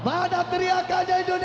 mana teriakannya indonesia